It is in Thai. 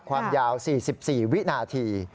ความยาว๔๔วินาที